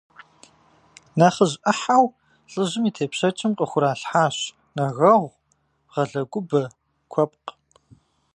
Нэхъыжь ӏыхьэу лӏыжьым и тепщэчым къыхуралъхьащ нэгэгъу, бгъэлыгубэ, куэпкъ.